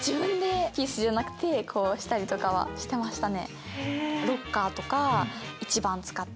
ピースじゃなくてこうしたりとかはしてましたね。